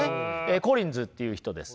コリンズっていう人です。